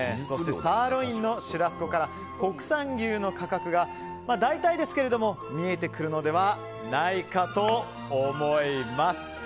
そしてサーロインのシュラスコから国産牛の価格が大体ですが見えてくるのではないかと思います。